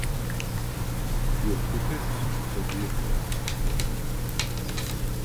Für Phuket absolvierte er acht Drittligaspiele.